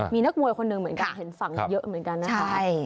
มีนักมวยคนหนึ่งเหมือนกันเห็นฝั่งเยอะเหมือนกันนะคะ